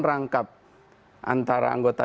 rangkap antara anggota